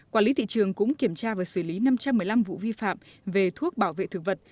quản lý thị trường cũng kiểm tra và xử lý năm trăm một mươi năm vụ vi phạm về thuốc bảo vệ thực vật